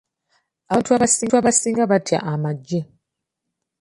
Abantu abasinga batya amagye.